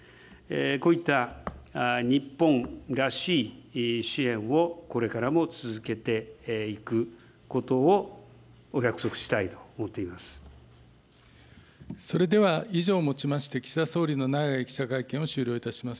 こういった日本らしい支援をこれからも続けていくことをお約束しそれでは以上をもちまして、岸田総理の内外記者会見を終了いたします。